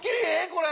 これ。